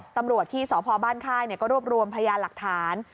ตำรวจที่สพบ้านค่ายก็รวบรวมพยานหลักฐาน